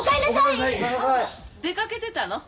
あら出かけてたの？